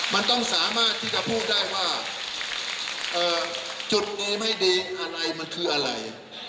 มันต้องสามารถที่จะพูดได้ว่าจุดดีไม่ดีอะไรมันคืออะไร